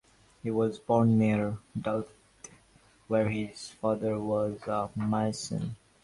He was born near Dalkeith, where his father was a mason.